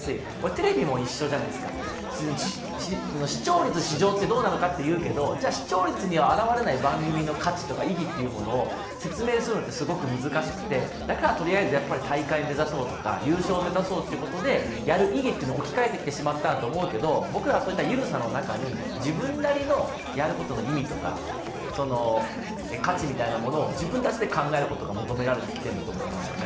テレビも一緒じゃないですか、視聴率至上主義ってどうなのかっていうけど、じゃ、視聴率には表れない番組の勝ちとか意義を説明するのってすごく難しくて、とりあえず大会を目指そうとか優勝を目指そうということでやる意義を置き換えてきてしまったんだと思うけど、僕らはそういったゆるさの中に、自分なりのやることの意味とか価値みたいなものを自分たちで考えることが求められてきてると思います。